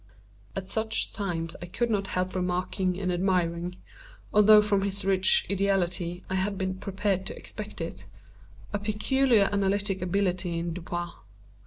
At such times I could not help remarking and admiring (although from his rich ideality I had been prepared to expect it) a peculiar analytic ability in Dupin.